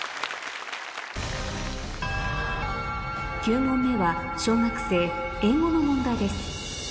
９問目は小学生英語の問題です